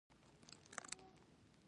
د کانکور پوښتنې راوتل یوه لویه ستونزه ده